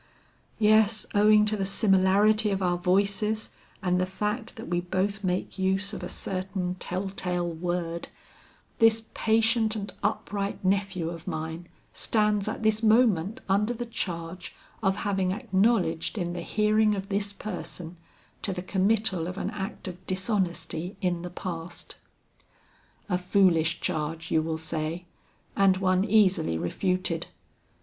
Yes, owing to the similarity of our voices and the fact that we both make use of a certain tell tale word, this patient and upright nephew of mine stands at this moment under the charge of having acknowledged in the hearing of this person, to the committal of an act of dishonesty in the past. A foolish charge you will say, and one easily refuted.